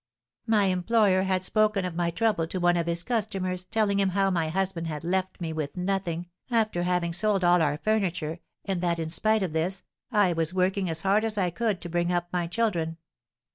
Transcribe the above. "My employer had spoken of my trouble to one of his customers, telling him how my husband had left me with nothing, after having sold all our furniture, and that, in spite of this, I was working as hard as I could to bring up my children.